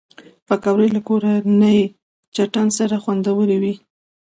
پکورې له کورني چټن سره خوندورې وي